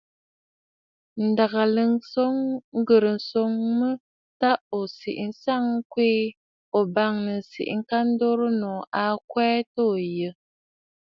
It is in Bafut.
Ǹdèghà a ghɨrə nswoŋ mə ta ò siʼi nstsə ŋkweè, ̀o bâŋnə̀ ǹsiʼi ŋka dorə nòô. À ka kwɛɛ ta ò yɔʼɔ.